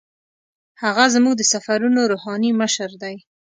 هغه زموږ د سفرونو روحاني مشر دی.